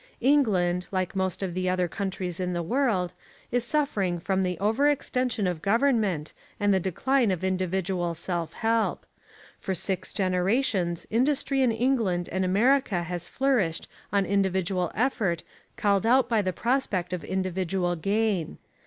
England, like most of the other countries in the world, is suffering from the over extension of government and the decline of individual self help. For six generations industry in England and America has flourished on individual effort called out by the prospect of individual gain.